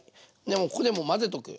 でここでもう混ぜとく。